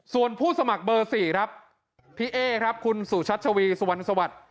ส่วนผู้สมัครเบอร์๔ครับพี่เอ๊ครับคุณสุชัชวีสุวรรณสวัสดิ์